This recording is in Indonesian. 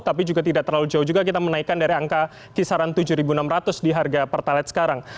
tapi juga tidak terlalu jauh juga kita menaikkan dari angka kisaran tujuh enam ratus di harga pertalite sekarang